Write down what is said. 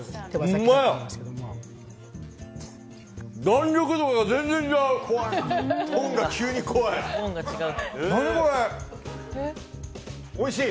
弾力度が全然違う！